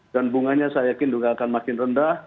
dan bunganya saya yakin juga akan makin rendah